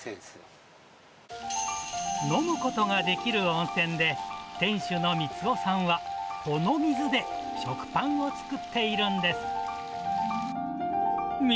飲むことができる温泉で、店主の光男さんは、この水で食パンを作っているんです。